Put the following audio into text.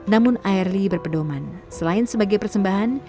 namun airly berpedoman selain sebagai persembahan